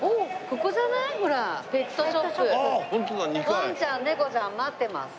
「ワンちゃんネコちゃん待ってます」